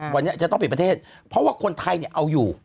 วันนี้จะต้องปิดประเทศเพราะว่าคนไทย